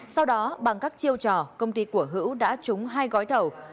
sau đó bằng các chiêu trò công ty của hữu đã trúng hai gói thầu